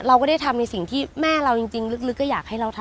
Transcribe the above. เราก็ได้ทำในสิ่งที่แม่เราจริงลึกก็อยากให้เราทำ